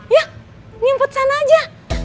yuk nyemput sana aja